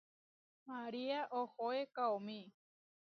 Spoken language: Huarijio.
María ohoé kaómi.